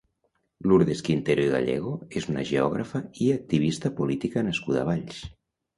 Lurdes Quintero i Gallego és una geògrafa i activista política nascuda a Valls.